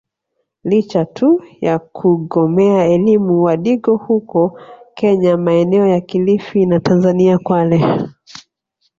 Licha tu ya kugomea elimu wadigo huko kenya maeneo ya kilifi na Tanzania Kwale